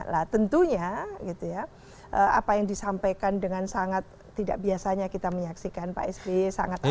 nah tentunya gitu ya apa yang disampaikan dengan sangat tidak biasanya kita menyaksikan pak sby sangat amat